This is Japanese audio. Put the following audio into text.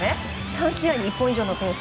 ３試合に１本以上のペース。